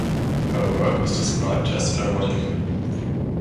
Her work is described as erotic.